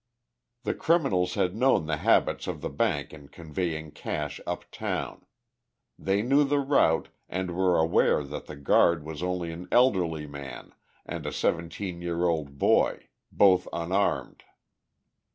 The criminals had known the habits of the bank in conveying cash uptown. They knew the route, and were aware that the guard was only an elderly man and a seventeen year old boy, both unarmed.